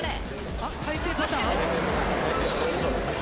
あっ大勢パターン？